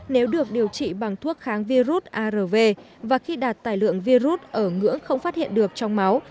nếu được điều trị bằng thuốc kháng virus arv và khi đạt tài lượng virus ở ngưỡng không phát hiện được trong máu